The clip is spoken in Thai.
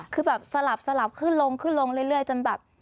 คือแบบสลับขึ้นลงเรื่อยจนแบบ